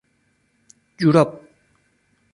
جوراب